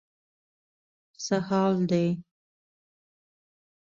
څه حال دی.